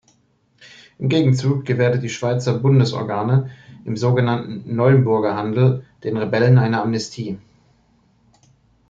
Im Gegenzug gewährten die Schweizer Bundesorgane im sogenannten Neuenburgerhandel den Rebellen eine Amnestie.